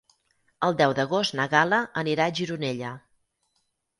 El deu d'agost na Gal·la anirà a Gironella.